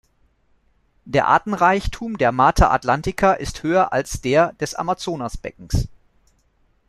Der Artenreichtum der Mata Atlântica ist höher als der des Amazonasbeckens.